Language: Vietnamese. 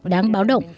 đáng báo động